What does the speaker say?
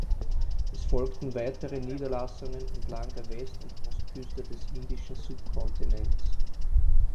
Es folgten weitere Niederlassungen entlang der West- und Ostküste des indischen Subkontinents.